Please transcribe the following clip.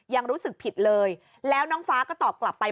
ยังรู้สึกผิดเลยแล้วน้องฟ้าก็ตอบกลับไป